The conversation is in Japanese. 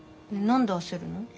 何で焦るの？